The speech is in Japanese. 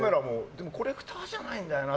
でもコレクターじゃないんだよな。